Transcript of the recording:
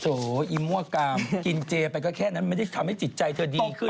อีมั่วกามกินเจไปก็แค่นั้นไม่ได้ทำให้จิตใจเธอดีขึ้น